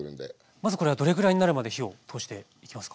まずこれはどれぐらいになるまで火を通していきますか？